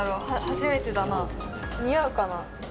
初めてだな似合うかな？